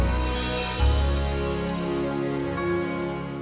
kamu sangat disingkir dengan rilia